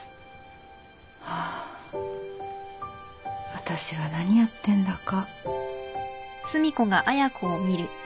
わたしは何やってんだか。